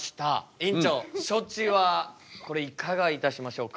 院長処置はこれいかがいたしましょうか？